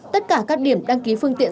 tất cả các điểm đăng ký phương tiện